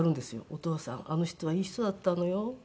「お父さんあの人はいい人だったのよ」